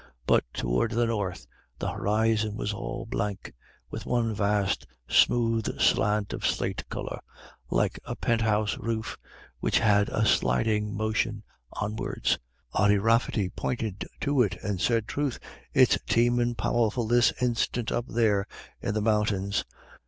But toward the north the horizon was all blank, with one vast, smooth slant of slate color, like a pent house roof, which had a sliding motion onwards. Ody Rafferty pointed to it and said, "Troth, it's teemin' powerful this instiant up there in the mountains.